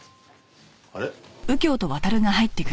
あれ？